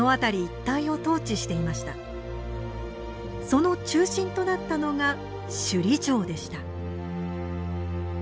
その中心となったのが首里城でした。